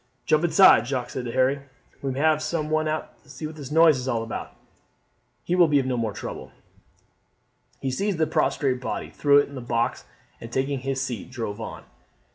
"Jump inside," Jacques said to Harry. "We may have some one out to see what the noise is about. He will be no more trouble." He seized the prostrate body, threw it up on the box, and taking his seat drove on.